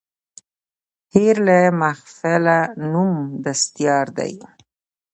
هېر له محفله نوم د سیتار دی